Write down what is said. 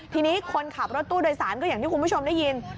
ทีนี้คนขับรถตู้โดยสารก็อย่างที่คุณผู้ชมได้ยิน